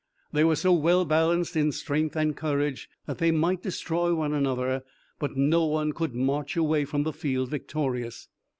They were so well balanced in strength and courage that they might destroy one another, but no one could march away from the field victorious.